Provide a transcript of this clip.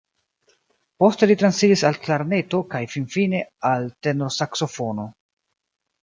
Poste li transiris al klarneto kaj finfine al tenorsaksofono.